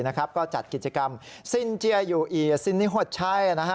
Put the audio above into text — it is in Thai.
ลายสวยเหมือนกัน